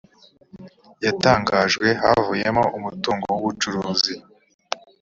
yatangajwe havuyemo umutungo w ubucuruzi